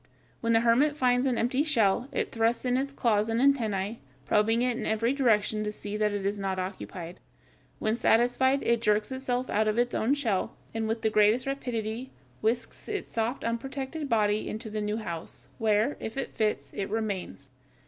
When the hermit finds an empty shell it thrusts in its claws and antennæ, probing it in every direction to see that it is not occupied. When satisfied, it jerks itself out of its own shell, and with the greatest rapidity whisks its soft unprotected body into the new house, where, if it fits, it remains.